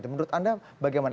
menurut anda bagaimana